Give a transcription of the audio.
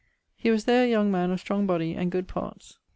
He was there a young man of strong body, and good parts.